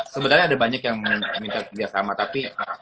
sebenarnya ada banyak yang minta kerjasama tapi